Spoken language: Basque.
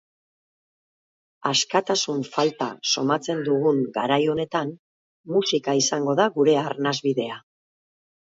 Askatasun falta somatzen dugun garai honetan, musika izango da gure arnasbidea.